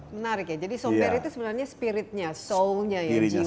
menarik ya jadi somber itu sebenarnya spiritnya soulnya ya jiwanya